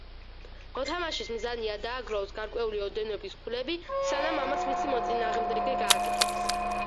მოთამაშის მიზანია დააგროვოს გარკვეული ოდენობის ქულები, სანამ ამას მისი მოწინააღმდეგე გააკეთებს.